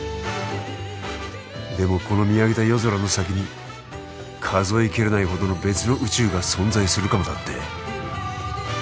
でもこの見上げた夜空の先に数えきれないほどの別の宇宙が存在するかもだって？